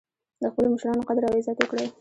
د خپلو مشرانو قدر او عزت وکړئ